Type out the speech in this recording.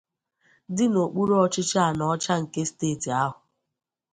dị n'okpuruọchịchị Anaọcha nke steeti ahụ